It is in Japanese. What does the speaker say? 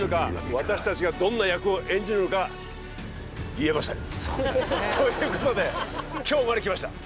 私達がどんな役を演じるのか言えませんということで今日まできました